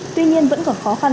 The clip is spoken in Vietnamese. tuy nhiên vẫn còn khó khăn